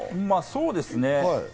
そうですね。